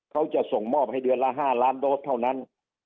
เขาจะส่งมอบให้เดือนละ๕ล้านโดสเท่านั้น